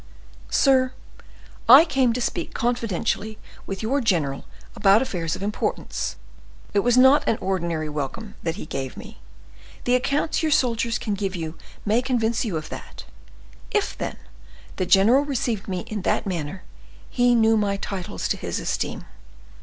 "Sir, I came to speak confidentially with your general about affairs of importance. It was not an ordinary welcome that he gave me. The accounts your soldiers can give you may convince you of that. If, then, the general received me in that manner, he knew my titles to his esteem.